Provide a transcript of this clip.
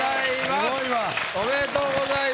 すごいわ。おめでとうございます。